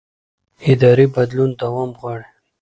اداري بدلون دوام غواړي